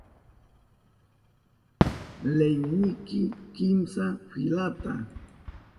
Leyinki kimsa filata.